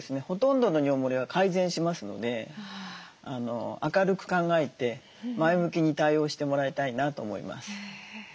ほとんどの尿もれは改善しますので明るく考えて前向きに対応してもらいたいなと思います。